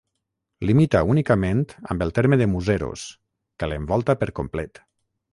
Limita únicament amb el terme de Museros, que l'envolta per complet.